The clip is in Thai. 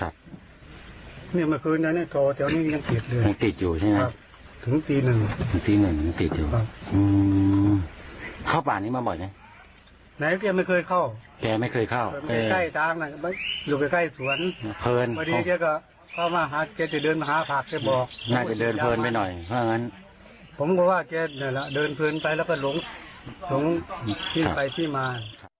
ผมก็ว่าแกเดินเพลินไปแล้วก็หลงที่ไปขี้มา